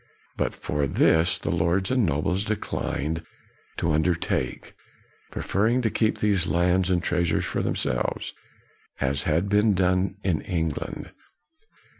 But this the lords and nobles declined to under take, preferring to keep these lands and treasures for themselves, as had been done in England.